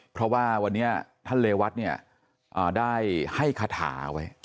เพราะว่าวันนี้ท่านเรวัตเนี่ยได้ให้คาถาไว้